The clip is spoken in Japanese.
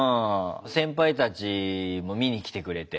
先輩たちも見に来てくれて。